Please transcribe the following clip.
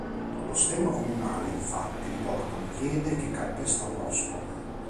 Lo stemma comunale infatti riporta un piede che calpesta un rospo.